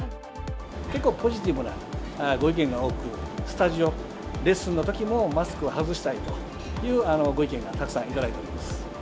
結構、ポジティブなご意見が多く、スタジオレッスンのときも、マスクを外したいというご意見がたくさん頂いております。